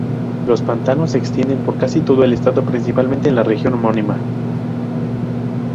Los pantanos se extienden por casi todo el estado, principalmente en la región homónima.